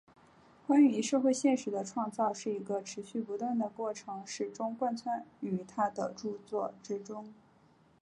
关于社会现实的创造是一个持续不断的过程始终贯穿于他的着作之中。